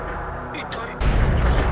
一体何が⁉」